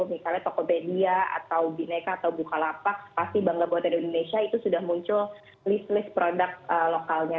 misalnya tokopedia atau bineka atau bukalapak pasti bangga buatan indonesia itu sudah muncul list list produk lokalnya